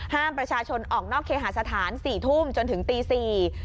ห้ามประชาชนออกนอกเคหาสถาน๔ทุ่มจนถึงตีสี่